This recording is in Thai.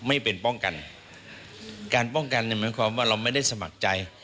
ไม่เป็นป้องกันการป้องกันเนี่ยหมายความว่าเราไม่ได้สมัครใจ